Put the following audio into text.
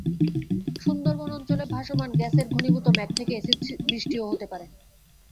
সুন্দরবন অঞ্চলে ভাসমান গ্যাসের ঘনীভূত মেঘ থেকে অ্যাসিড বৃষ্টিও হতে পারে।